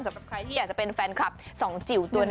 สำหรับใครที่อยากจะเป็นแฟนคลับสองจิ๋วตัวนี้